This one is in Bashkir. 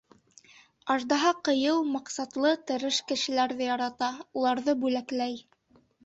Аждаһа ҡыйыу, маҡсатлы, тырыш кешеләрҙе ярата, уларҙы бүләкләй.